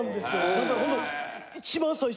だからホント。